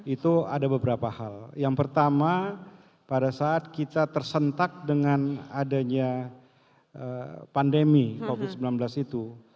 itu ada beberapa hal yang pertama pada saat kita tersentak dengan adanya pandemi covid sembilan belas itu